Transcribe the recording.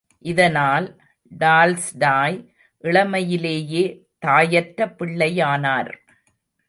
இதனால், டால்ஸ்டாய் இளமையிலேயே தாயற்ற பிள்ளையானார்!